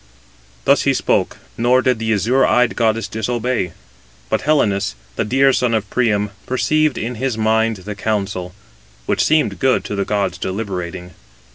Thus he spoke, nor did the azure eyed goddess disobey. But Helenus, the dear son of Priam, perceived in his mind the counsel, which seemed good to the gods deliberating.